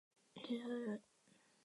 徐潮人。